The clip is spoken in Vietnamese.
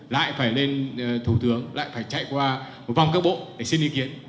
lại phải lên thủ tướng lại phải chạy qua một vòng các bộ để xin ý kiến